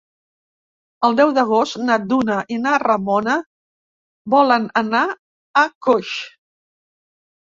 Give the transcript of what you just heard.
El deu d'agost na Duna i na Ramona volen anar a Coix.